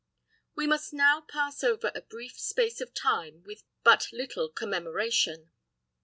We must now pass over a brief space of time with but little commemoration.